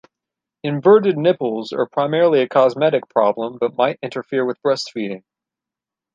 Inverted nipples are primarily a cosmetic problem but might interfere with breastfeeding.